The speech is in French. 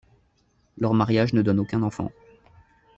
Leur mariage ne donne aucun enfant.